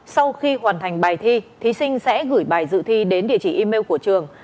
sau khi hoàn thành bài thi thí sinh sẽ gửi bài dự thi đến địa chỉ email của trường